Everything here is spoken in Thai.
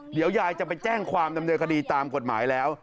เดี๋ยวยายจะไปแจ้งความดำเนินคดีตามกฎหมายแล้ว